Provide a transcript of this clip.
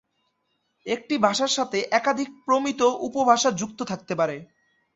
একটি ভাষার সাথে একাধিক প্রমিত উপভাষা যুক্ত থাকতে পারে।